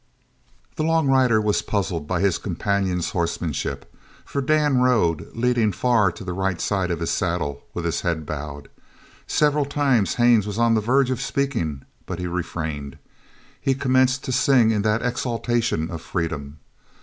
The long rider was puzzled by his companion's horsemanship, for Dan rode leaning far to the right of his saddle, with his head bowed. Several times Haines was on the verge of speaking, but he refrained. He commenced to sing in the exultation of freedom.